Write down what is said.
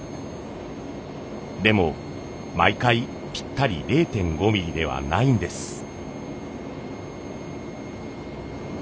でも毎回ぴったり０．５ミリではないんです。